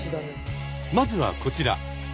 まずはこちら。